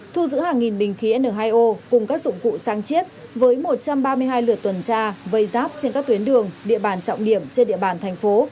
thu giữ hàng nghìn bình khí n hai o cùng các dụng cụ sang chiết với một trăm ba mươi hai lượt tuần tra vây giáp trên các tuyến đường địa bàn trọng điểm trên địa bàn thành phố